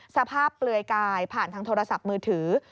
เปลือยกายผ่านทางโทรศัพท์มือถือ